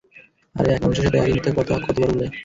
আরে, এক মানুষের সাথে একই মিথ্যা কথা আর কতোবার বলবে?